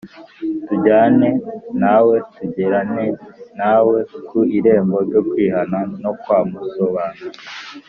Tujyane nawe, tugerane na we ku irembo ryo kwihana, no kwa Musobanuzi